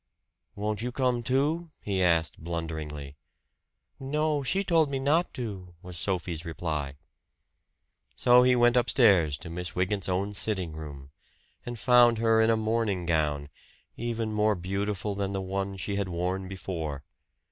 "Won't you come, too?" he asked blunderingly. "No, she told me not to," was Sophie's reply. So he went upstairs to Miss Wygant's own sitting room, and found her in a morning gown, even more beautiful than the one she had worn before.